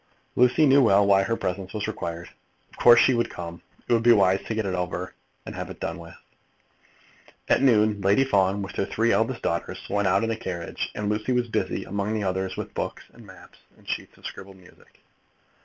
Lucy knew well why her presence was required. Of course she would come. It would be wise to get it over and have done with it. At noon Lady Fawn, with her three eldest daughters, went out in the carriage, and Lucy was busy among the others with books and maps and sheets of scribbled music.